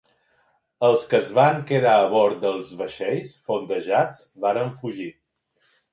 Els que es van quedar a bord dels vaixells fondejats varen fugir.